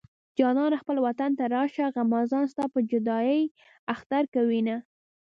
جانانه خپل وطن ته راشه غمازان ستا په جدايۍ اختر کوينه